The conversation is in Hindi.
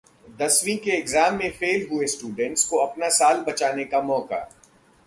दसवीं के एग्जाम में फेल हुए स्टूडेंट्स को अपना साल बचाने का मौका